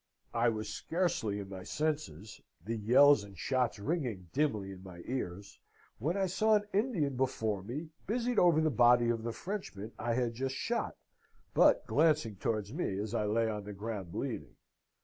"I was scarcely in my senses, the yells and shots ringing dimly in my ears, when I saw an Indian before me, busied over the body of the Frenchman I had just shot, but glancing towards me as I lay on the ground bleeding.